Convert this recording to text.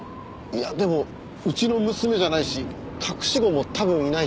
いやでもうちの娘じゃないし隠し子も多分いないし。